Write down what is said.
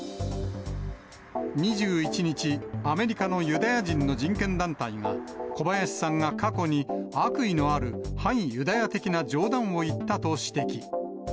２１日、アメリカのユダヤ人の人権団体が、小林さんが過去に悪意のある反ユダヤ的な冗談を言ったと指摘。